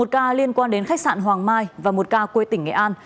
một ca liên quan đến khách sạn hoàng mai và một ca quê tỉnh nghệ an